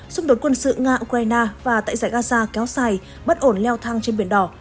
xung đột quân sự nga ukraine và tại giải gaza kéo dài bất ổn leo thang trên biển đỏ